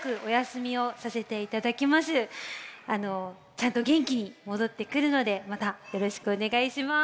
ちゃんとげんきにもどってくるのでまたよろしくおねがいします。